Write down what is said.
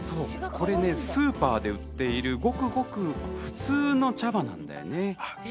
スーパーで売っているごくごく普通の茶葉なんだよね。